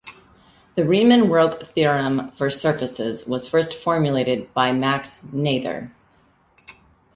The Riemann-Roch theorem for surfaces was first formulated by Max Noether.